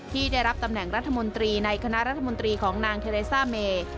ที่ได้รับตำแหน่งรัฐมนตรีในคณะรัฐมนตรีของนางเทเรซ่าเม